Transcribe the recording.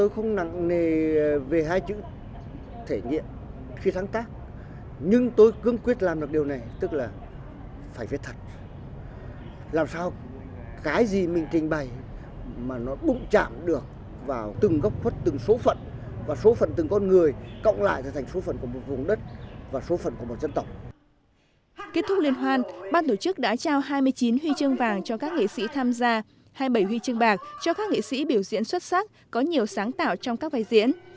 kết thúc liên hoan ban tổ chức đã trao hai mươi chín huy chương vàng cho các nghệ sĩ tham gia hai mươi bảy huy chương bạc cho các nghệ sĩ biểu diễn xuất sắc có nhiều sáng tạo trong các vai diễn